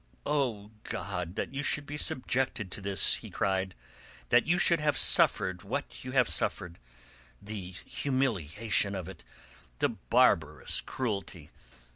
"O God, that you should be subjected to this!" he cried. "That you should have suffered what you have suffered! The humiliation of it, the barbarous cruelty!